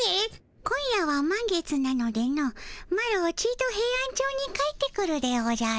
今夜はまん月なのでのマロちとヘイアンチョウに帰ってくるでおじゃる。